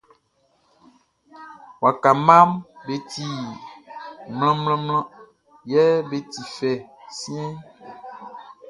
Waka mmaʼm be ti mlanmlanmlan yɛ be ti fɛ siɛnʼn.